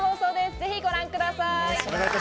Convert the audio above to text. ぜひご覧ください。